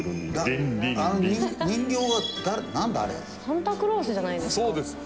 サンタクロースじゃないですか？